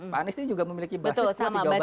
pak anies ini juga memiliki basis seperti jawa barat